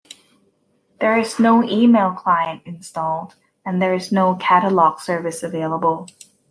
There is no email client installed, and there is no Catalog service available.